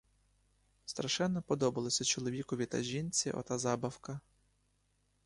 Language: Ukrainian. Страшенно подобалася чоловікові та жінці ота забавка.